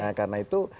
nah karena itu